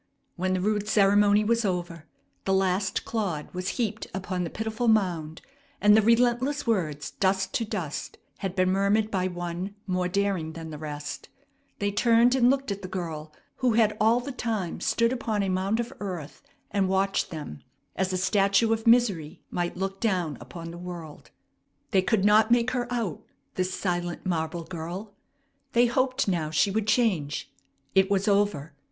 When the rude ceremony was over, the last clod was heaped upon the pitiful mound, and the relentless words, "dust to dust," had been murmured by one more daring than the rest, they turned and looked at the girl, who had all the time stood upon a mound of earth and watched them, as a statue of Misery might look down upon the world. They could not make her out, this silent, marble girl. They hoped now she would change. It was over.